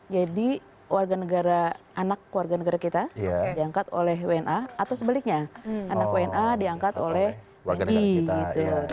jadi warga negara anak warga negara kita diangkat oleh wna atau sebaliknya anak wna diangkat oleh wni gitu